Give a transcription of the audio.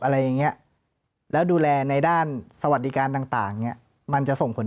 อะไรอย่างเงี้ยแล้วดูแลในด้านสวัสดิการต่างเนี่ยมันจะส่งผล